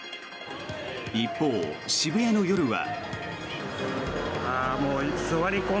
一方、渋谷の夜は。